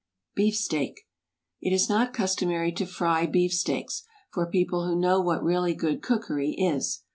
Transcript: BEEF STEAK. It is not customary to fry beef steaks for people who know what really good cookery is.